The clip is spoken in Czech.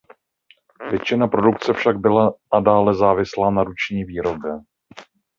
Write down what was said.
Většina produkce však byla nadále závislá na ruční výrobě.